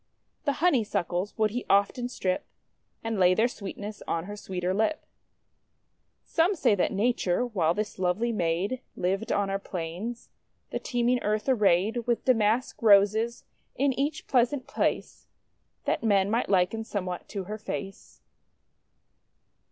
The Honeysuckles would he often strip, and lay their sweetness on her sweeter lip. Some say that Nature, while this lovely maid lived on our plains, the teeming earth arrayed with Damask Roses in each pleasant place, that men might liken somewhat to her face.